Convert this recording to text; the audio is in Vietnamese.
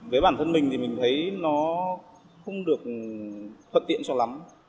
với bản thân mình thì mình thấy nó không được thuận tiện cho lắm